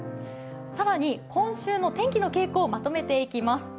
更に今週の天気の傾向、まとめていきます。